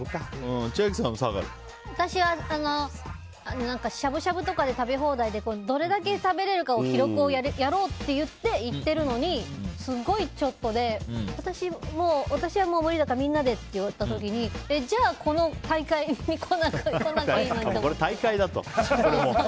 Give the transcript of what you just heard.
私は、しゃぶしゃぶとかで食べ放題でどれだけ食べれるかの記録をやろうって行ってるのに、すごいちょっとで私はもう無理だからみんなでって言われた時にじゃあ、この大会に来なきゃいいのにって。